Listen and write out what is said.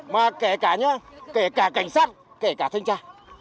mà kể cả như kể cả cảnh sát kể cả thanh tra